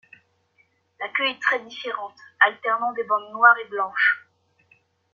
La queue est très différente, alternant des bandes noires et blanches.